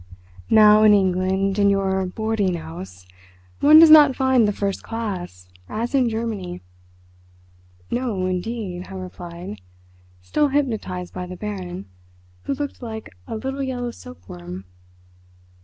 "Now, in England, in your 'boarding 'ouse', one does not find the First Class, as in Germany." "No, indeed," I replied, still hypnotised by the Baron, who looked like a little yellow silkworm.